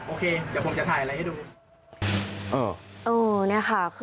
โอเคเดี๋ยวผมจะถ่ายอะไรให้ดู